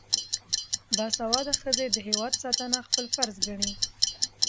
باسواده ښځې د هیواد ساتنه خپل فرض ګڼي.